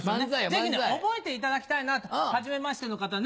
ぜひ覚えていただきたいなとはじめましての方ね。